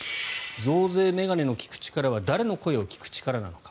増税メガネの聞く力は誰の声を聞く力なのか？